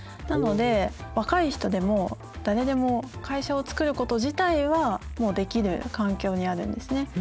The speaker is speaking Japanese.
なので若い人でも誰でも会社を作ること自体はもうできる環境にあるんですね。